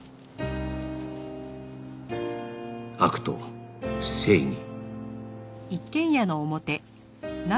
悪と正義